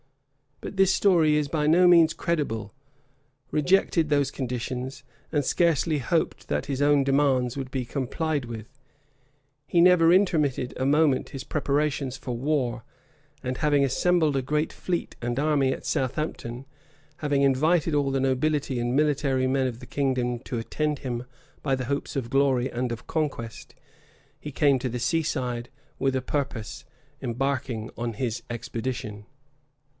But this story is by no means credible; rejected these conditions, and scarcely hoped that his own demands would be complied with, he never intermitted a moment his preparations for war; and having assembled a great fleet and army at Southampton, having invited all the nobility and military men of the kingdom to attend him by the hopes of glory and of conquest, he came to the sea side with a purpose of embarking on his expedition.